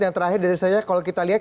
yang terakhir dari saya kalau kita lihat